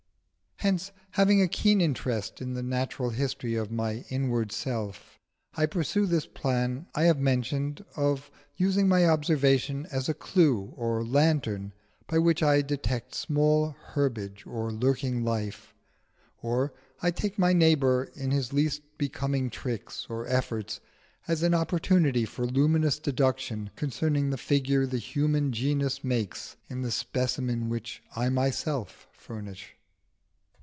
Hence, having a keen interest in the natural history of my inward self, I pursue this plan I have mentioned of using my observation as a clue or lantern by which I detect small herbage or lurking life; or I take my neighbour in his least becoming tricks or efforts as an opportunity for luminous deduction concerning the figure the human genus makes in the specimen which I myself furnish.